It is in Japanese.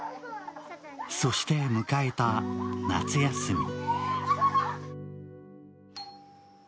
そして迎えた夏休み。